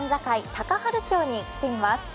高原町に来ています。